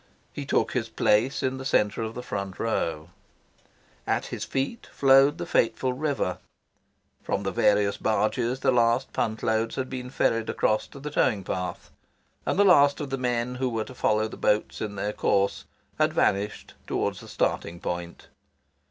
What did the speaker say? He took his place in the centre of the front row. At his feet flowed the fateful river. From the various barges the last punt loads had been ferried across to the towing path, and the last of the men who were to follow the boats in their course had vanished towards the starting point.